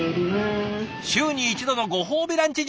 週に１度のご褒美ランチ